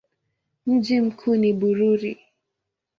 Mji mkuu ni Bururi.